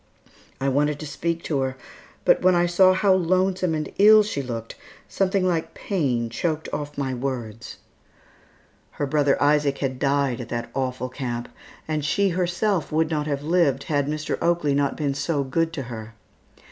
I wanted to speak to her, but when I saw how lonesome and ill she looked, something like pain choked off my words. Her brother Isaac had died at that awful camp and she herself would not have lived had Mr. Oakley not been so good to her.